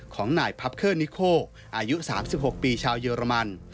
ของนายพับเคอร์นิโคอายุ๓๖ปีชาวเยอรมัน